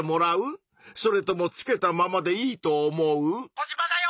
「コジマだよ！」。